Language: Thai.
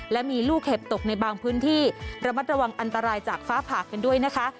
และมีลูกเห็บตกในบางพื้นที่ระมัดระวังอันตรายจากฟ้าผ่ากันด้วยนะคะ